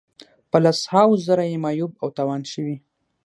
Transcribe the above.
په لس هاوو زره یې معیوب او تاوان شوي.